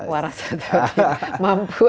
waras atau mampu